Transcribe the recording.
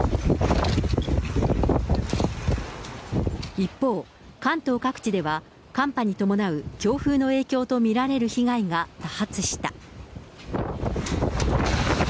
一方、関東各地では、寒波に伴う強風の影響と見られる被害が多発した。